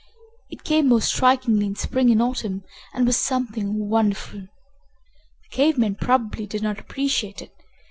It came most strikingly in spring and autumn, and was something wonderful. The cave men, probably, did not appreciate it.